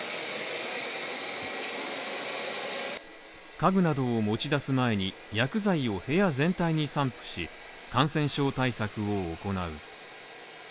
家具などを持ち出す前に薬剤を部屋全体に散布し、感染症対策を行う。